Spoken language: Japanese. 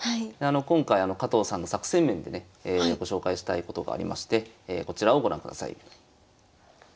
今回加藤さんの作戦面でねご紹介したいことがありましてこちらをご覧ください。